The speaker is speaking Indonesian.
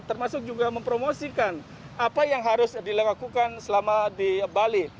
termasuk juga mempromosikan apa yang harus dilakukan selama di bali